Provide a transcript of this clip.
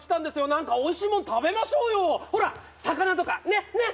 何かおいしいもん食べましょうよほら魚とかねっねっ？